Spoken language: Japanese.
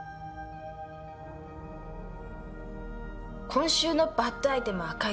「今週のバッドアイテムは赤色。